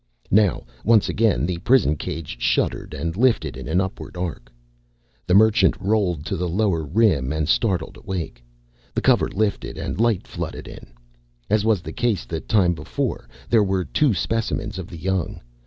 Now, once again, the prison cage shuddered and lifted in an upward arc. The Merchant rolled to the lower rim and startled awake. The cover lifted and light flooded in. As was the case the time before, there were two specimens of the young.